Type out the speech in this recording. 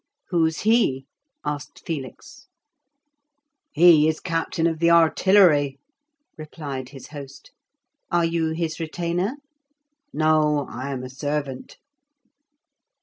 "Who's he?" asked Felix. "He is captain of the artillery," replied his host. "Are you his retainer?" "No; I am a servant."